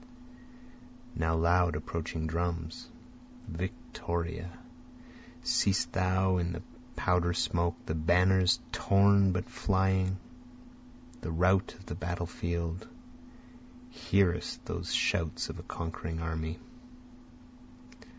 Now loud approaching drums, Victoria! seest thou in powder smoke the banners torn but flying? the rout of the baffled? Hearest those shouts of a conquering army?